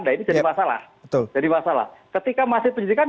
nah ini jadi masalah jadi masalah ketika masih penyidikan